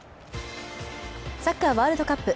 サッカーワールドカップ